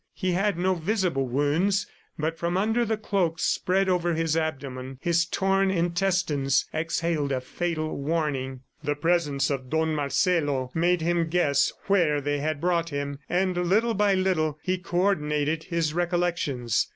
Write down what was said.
He had no visible wounds, but from under the cloak spread over his abdomen his torn intestines exhaled a fatal warning. The presence of Don Marcelo made him guess where they had brought him, and little by little he co ordinated his recollections.